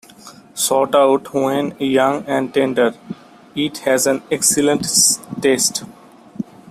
Sought out when young and tender, it has an excellent taste.